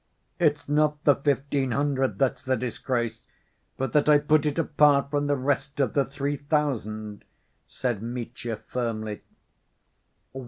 "It's not the fifteen hundred that's the disgrace, but that I put it apart from the rest of the three thousand," said Mitya firmly.